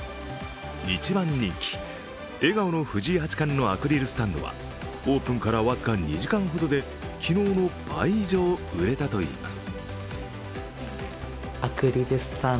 一番人気、笑顔の藤井八冠のアクリルスタンドはオープンから僅か２時間ほどで昨日の倍以上、売れたといいます。